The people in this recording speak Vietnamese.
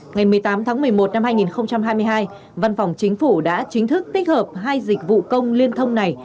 ngày một mươi tám tháng một mươi một năm hai nghìn hai mươi hai văn phòng chính phủ đã chính thức tích hợp hai dịch vụ công liên thông này